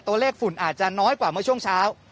ฝุ่นอาจจะน้อยกว่าเมื่อช่วงเช้า